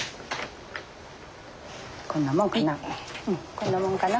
こんなもんかな。